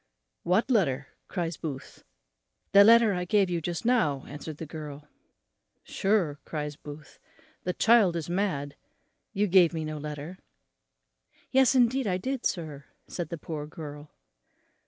"What letter?" cries Booth. "The letter I gave you just now," answered the girl. "Sure," cries Booth, "the child is mad, you gave me no letter." "Yes, indeed, I did, sir," said the poor girl.